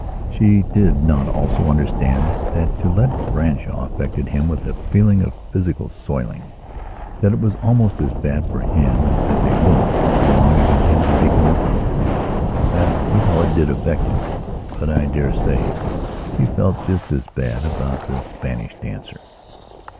She did not also understand that to let Branshaw affected him with a feeling of physical soilingthat it was almost as bad for him as if a woman belonging to him had become a prostitute. That was how it did affect him; but I dare say she felt just as bad about the Spanish dancer.